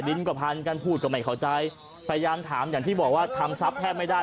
ก็พันกันพูดก็ไม่เข้าใจพยายามถามอย่างที่บอกว่าทำทรัพย์แทบไม่ได้